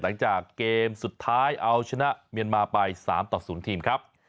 หลังจากเกมสุดท้ายเอาชนะเมียนมาไป๓ต่อ๐ทีมครับ